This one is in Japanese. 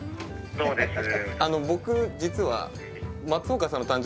そうですね